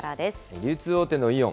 流通大手のイオン。